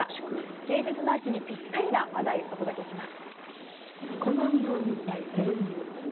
芸術の秋にぴったりな話題をお届けします。